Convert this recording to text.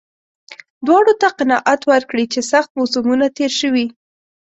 دواړو ته قناعت ورکړي چې سخت موسمونه تېر شوي.